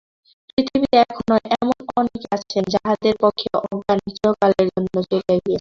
পৃথিবীতে এখনও এমন অনেকে আছেন, যাঁহাদের পক্ষে অজ্ঞান চিরকালের জন্য চলিয়া গিয়াছে।